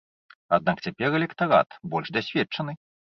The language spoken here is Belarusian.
Аднак цяпер электарат больш дасведчаны.